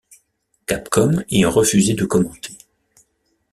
Capcom ayant refusé de commenter.